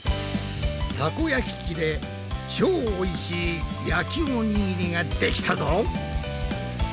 たこ焼き器で超おいしい焼きおにぎりができたぞ！